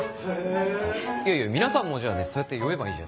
いやいや皆さんもそうやって呼べばいいじゃないですか。